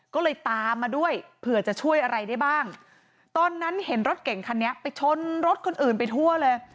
ก็เลยตามมาด้วยเผื่อจะช่วยอะไรได้บ้างตอนนั้นเห็นรถเก่งคันนี้ไปชนรถคนอื่นไปทั่วเลย